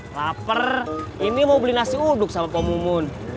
laper ini mau beli nasi uduk sama pomo pomo